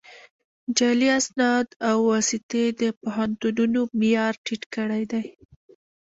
جعلي اسناد او واسطې د پوهنتونونو معیار ټیټ کړی دی